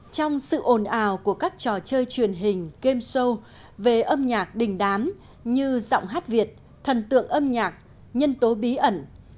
trong sự ồn ào của các trò chơi truyền hình game show về âm nhạc đình đám như giọng hát việt thần tượng âm nhạc nhân tố bí ẩn